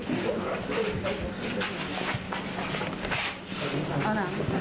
หลังจากที่สุดยอดเย็นหลังจากที่สุดยอดเย็น